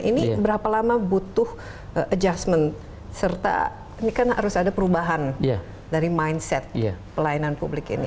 ini berapa lama butuh adjustment serta ini kan harus ada perubahan dari mindset pelayanan publik ini